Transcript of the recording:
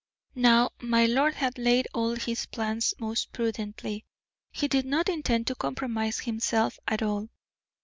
Now my lord had laid all his plans most prudently; he did not intend to compromise himself at all.